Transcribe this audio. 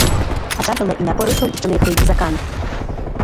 Аӡәаӡәала инапы рыҭо иҿынеихеит Закан.